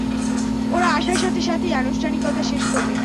ওরা আসার সাথে সাথেই আনুষ্ঠানিকতা শেষ করবে।